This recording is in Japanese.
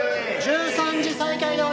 １３時再開です！